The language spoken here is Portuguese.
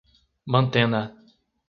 Mantena